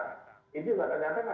ini juga ternyata masih banyak kosong